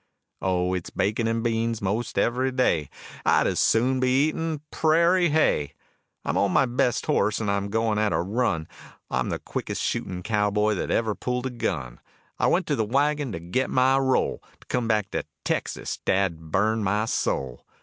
Oh it's bacon and beans most every day, I'd as soon be a eatin' prairie hay. I'm on my best horse and I'm goin' at a run, I'm the quickest shootin' cowboy that ever pulled a gun. I went to the wagon to get my roll, To come back to Texas, dad burn my soul.